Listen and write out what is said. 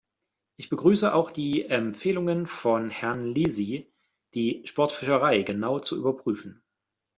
Ich begrüße auch die Empfehlungen von Herrn Lisi, die Sportfischerei genau zu überprüfen.